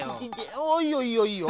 おいいよいいよいいよ。